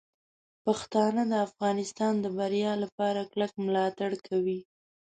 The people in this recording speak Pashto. پښتانه د افغانستان د بریا لپاره کلک ملاتړ کوي.